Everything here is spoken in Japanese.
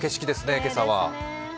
今朝は。